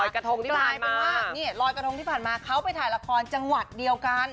รอยกระทงที่ผ่านมานี่รอยกระทงที่ผ่านมาเขาไปถ่ายละครจังหวัดเดียวกัน